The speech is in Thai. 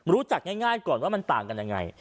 ง่ายก่อนว่ามันต่างกันยังไง